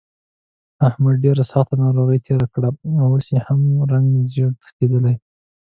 احمد ډېره سخته ناروغۍ تېره کړه، اوس یې هم رنګ زېړ تښتېدلی دی.